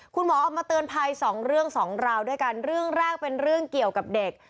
คุณหมอออกมาเตือนภัยสองเรื่องสองราวด้วยกันเรื่องแรกเป็นเรื่องเกี่ยวกับเด็ก